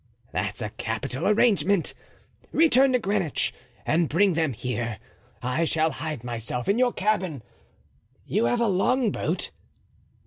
"That's a capital arrangement. Return to Greenwich and bring them here. I shall hide myself in your cabin. You have a longboat?"